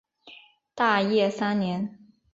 大业三年。